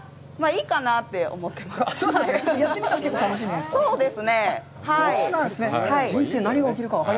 いいかなって思ってます。